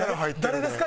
誰ですか？